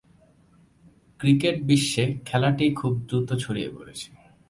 Cricket বিশ্বে খেলাটি খুব দ্রুত ছড়িয়ে পড়েছে।